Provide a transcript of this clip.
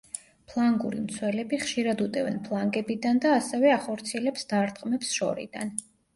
ფლანგური მცველები ხშირად უტევენ ფლანგებიდან და ასევე ახორციელებს დარტყმებს შორიდან.